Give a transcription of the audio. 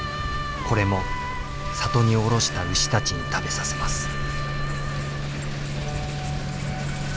これも里に下ろした牛たちに食べさせます。